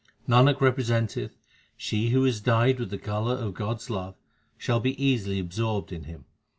Nanak representeth, she who is dyed with the colour of God s love shall be easily absorbed in Him.